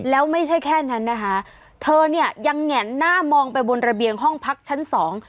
แล้วไม่ใช่แค่นั้นนะคะเธอเนี่ยยังแง่นหน้ามองไปบนระเบียงห้องพักชั้นสอง